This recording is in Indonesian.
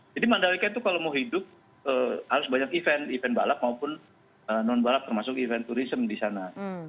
mandalika itu kalau mau hidup harus banyak event event balap maupun non balap termasuk event turism di sana